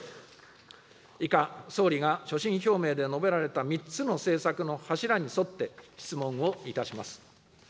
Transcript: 以下、総理が所信表明で述べられた３つの政策の柱に沿って、質問をいたします。